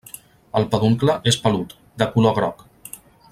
El peduncle és pelut, de color groc.